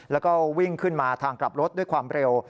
แล้วก็วิ่งขึ้นมาทางกลับรถด้วยความเร็ว